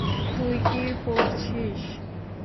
তুই কি পড়ছিস?